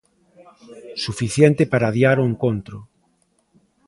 Suficiente para adiar o encontro.